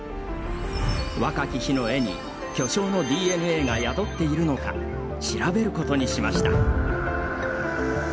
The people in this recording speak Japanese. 若き日の絵に巨匠のＤＮＡが宿っているのか調べることにしました。